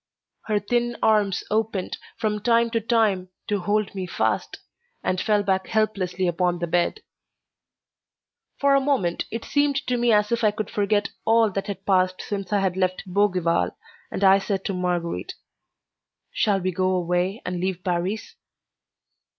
Her thin arms opened, from time to time, to hold me fast, and fell back helplessly upon the bed. For a moment it seemed to me as if I could forget all that had passed since I had left Bougival, and I said to Marguerite: "Shall we go away and leave Paris?"